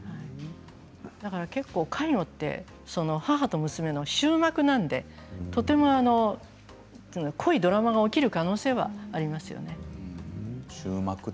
だから結構介護って母と娘の終幕なのでとても濃いドラマが起きる可能性がありますね。